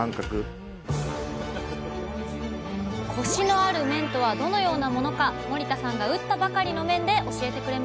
コシのある麺とはどのようなものか森田さんが打ったばかりの麺で教えてくれました